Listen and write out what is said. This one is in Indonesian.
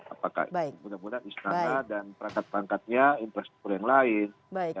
apakah mudah mudahan istana dan perangkat perangkatnya infrastruktur yang lain